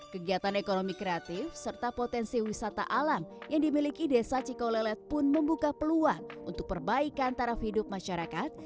kegiatan ekonomi kreatif serta potensi wisata alam yang dimiliki desa cikolelet pun membuka peluang untuk perbaikan taraf hidup masyarakat